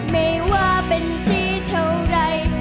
ไม่ว่าเป็นที่เท่าไร